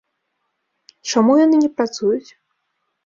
Чаму яны не працуюць?